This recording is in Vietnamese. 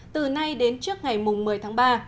từ nay đến trước ngày một mươi tháng ba